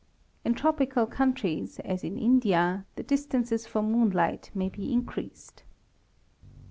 In tropical countries, as in India, the distances x moonlight may be increased.